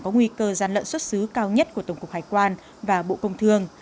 có nguy cơ gian lận xuất xứ cao nhất của tổng cục hải quan và bộ công thương